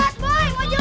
atau mau ngajar